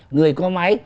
người có máy